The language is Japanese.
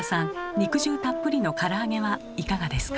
肉汁たっぷりのから揚げはいかがですか？